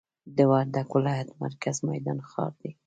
د وردګ ولایت مرکز میدان ښار دي.